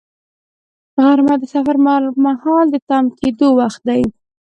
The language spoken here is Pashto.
غرمه د سفر پر مهال د تم کېدو وخت دی